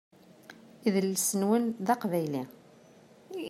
Idles-nwen d aqbayli.